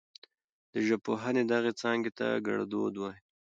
د ژبپوهنې دغې څانګې ته ګړدود وايي.